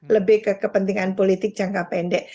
lebih ke kepentingan politik jangka pendek